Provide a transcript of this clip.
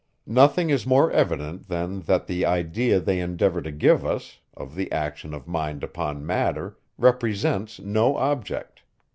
Nothing is more evident, than that the idea they endeavour to give us, of the action of mind upon matter, represents no object.